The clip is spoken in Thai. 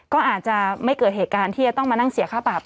ก็อาจจะไม่เกิดเหตุการณ์ที่จะต้องมานั่งเสียค่าปรับ